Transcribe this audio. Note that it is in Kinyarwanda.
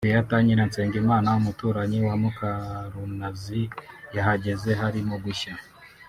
Beatha Nyiransengimana umuturanyi wa Mukarunazi yahageze harimo gushya